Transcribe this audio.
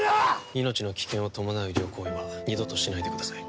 命の危険を伴う医療行為は二度としないでください